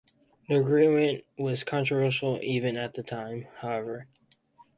The agreement was controversial even at the time, however.